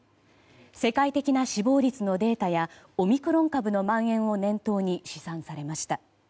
世界的な死亡率のデータやオミクロン株のまん延を念頭に試算されました。